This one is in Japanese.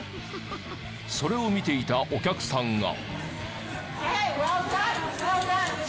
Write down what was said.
それを見ていたお客さんが。